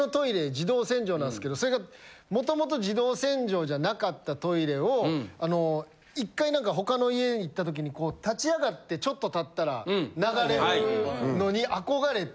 自動洗浄なんですけどそれが元々自動洗浄じゃなかったトイレをあの一回なんか他の家に行ったときににこう立ち上がってちょっと経ったら流れるのに憧れて。